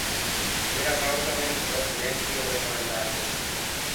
ميرآ گائونٚ ڪآ مِنک ڀوت مهنتي اور ايماندآر هينٚ